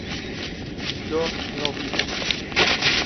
yo no vivo